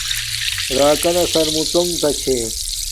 راکانا سرمڎنݣ تا چھے